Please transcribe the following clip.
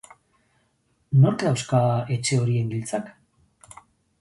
Nork dauzka etxe horien giltzak?